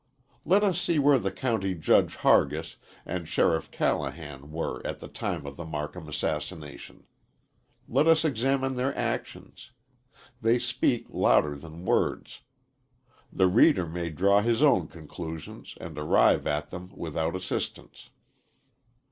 Let us see where the County Judge Hargis, and Sheriff Callahan were at the time of the Marcum assassination. Let us examine their actions; they speak louder than words. The reader may draw his own conclusions and arrive at them without assistance.